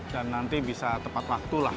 dan nanti bisa tepat waktulah